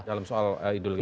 dalam soal ideologi